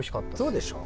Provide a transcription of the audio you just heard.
そうでしょ？